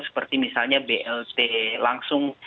seperti misalnya blt langsung